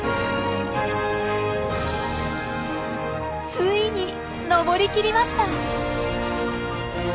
ついに登りきりました！